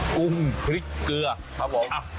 กุ้งพริกเกลือครับผม